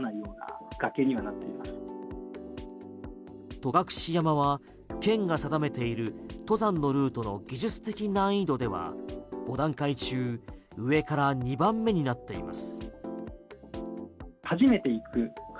戸隠山は県が定めている登山のルートの技術的難易度では５段階中上から２番目になっています。